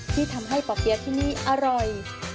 ที่ทำให้ป่อเปี๊ยะที่นี่อร่อย